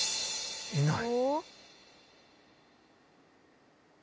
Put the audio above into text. いない。